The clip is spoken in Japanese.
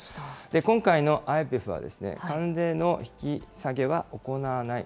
今回のＩＰＥＦは、関税の引き下げは行わない。